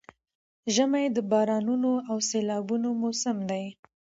ژمی د بارانونو او سيلابونو موسم دی؛